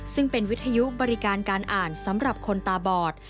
ซึ่งเป็นวิทยุบริการการอ่านสำหรับคนตาบอด